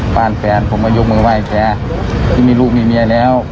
แฟนผมก็ยกมือไหว้แกที่มีลูกมีเมียแล้ว